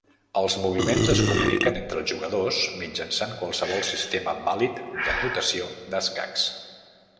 Els moviments es comuniquen entre els jugadors mitjançant qualsevol sistema vàlid de notació d'escacs.